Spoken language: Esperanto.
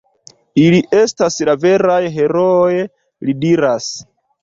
Ili estas la veraj herooj, li diras.